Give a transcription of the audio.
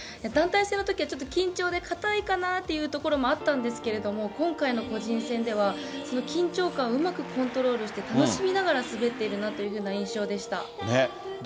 団体戦のときは、ちょっと緊張で硬いかなっていうところもあったんですけれども、今回の個人戦では、緊張感をうまくコントロールして、楽しみながら滑っているなという印象でした。